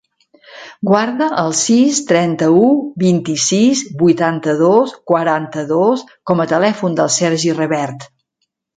Guarda el sis, trenta-u, vint-i-sis, vuitanta-dos, quaranta-dos com a telèfon del Sergi Revert.